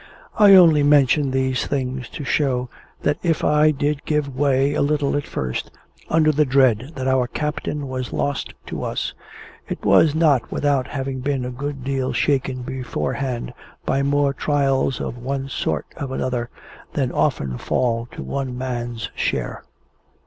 I only mention these things to show that if I did give way a little at first, under the dread that our captain was lost to us, it was not without having been a good deal shaken beforehand by more trials of one sort or another than often fall to one man's share.